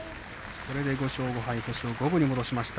これで５勝５敗星を五分に戻しました。